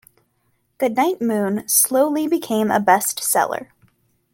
"Goodnight Moon" slowly became a bestseller.